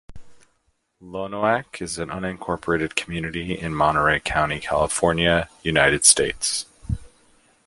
Lonoak is an unincorporated community in Monterey County, California, United States.